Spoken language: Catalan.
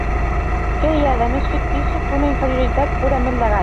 Què hi ha de més fictici que una inferioritat purament legal!